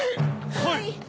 はい。